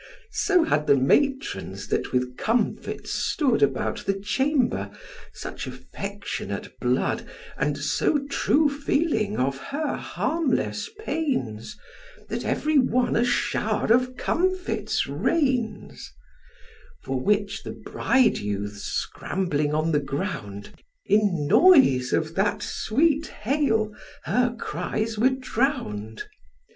So had the matrons, that with confits stood About the chamber, such affectionate blood, And so true feeling of her harmless pains, That every one a shower of confits rains; For which the bride youths scrambling on the ground, In noise of that sweet hail her cries were drown'd.